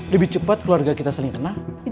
lebih cepat keluarga kita saling kenal itu kan lebih baik